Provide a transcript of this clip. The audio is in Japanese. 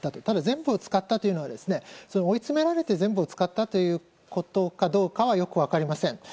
ただ、全部を使ったというのは追い詰められて全部を使ったということかどうかはよく分かりません。